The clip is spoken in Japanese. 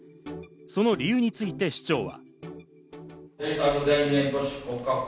その理由について市長は。